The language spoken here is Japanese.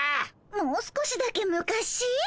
もう少しだけ昔？